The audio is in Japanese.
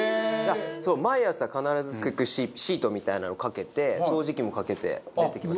あっそう毎朝必ずシートみたいなのかけて掃除機もかけてやってきます。